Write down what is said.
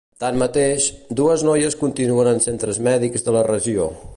Tanmateix, dues noies continuen en centres mèdics de la regió.